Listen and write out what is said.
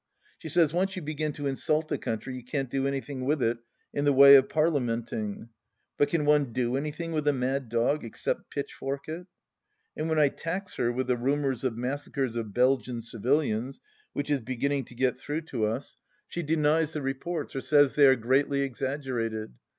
She says, once you begin to insult a coimtry you can't do anything with it in the way of parle menting. But can one do anything with a mad dog except pitchfork it ? And when I tax her with the rumours of massacres of Belgian civilians, which is beginning to get through to us, 168 THE LAST DITCH she denies the reports, or says they are greatly exaggerated.